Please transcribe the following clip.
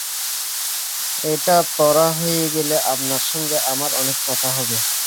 এটা পড়া হয়ে গেলে আপনার সঙ্গে আমার অনেক কথা হবে।